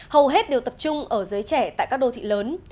hầu hết đều tập trung ở giới trẻ tại các đô thị lớn